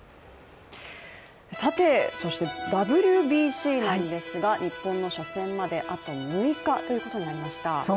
そしてＷＢＣなんですが、日本の初戦まであと６日ということになりました。